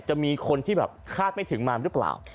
จะมีคนที่แบบฆ่าไม่ถึงมารึิบราว